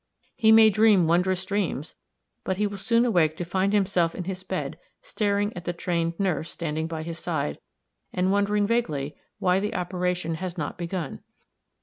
He may dream wondrous dreams, but he will soon awake to find himself in his bed staring at the trained nurse standing by his side, and wondering vaguely why the operation has not begun.